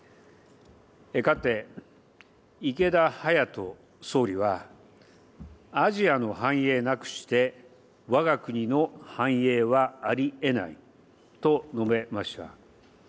かつて池田勇人総理は、アジアの繁栄なくしてわが国の繁栄はありえないと述べました。